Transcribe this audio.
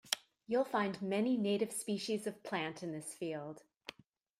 You'll find many native species of plant in this field